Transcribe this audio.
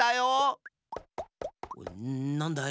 なんだい？